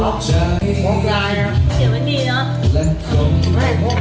ขอบคุณคุณอ้ามขอร้องให้สักที